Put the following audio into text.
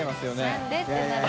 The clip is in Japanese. なんで？ってなる。